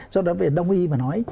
do đó về đồng ý mà nói